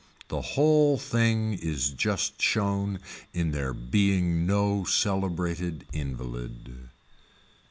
The whole thing is just shown in their being no celebrated invalid.